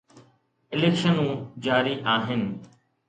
اليڪشنون جاري آهن.